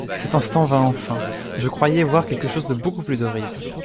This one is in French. Cet instant vint enfin : je croyais voir quelque chose de beaucoup plus horrible.